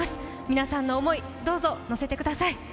皆さんの思い、どうぞのせてください。